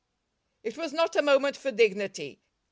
It was not a moment for dignity.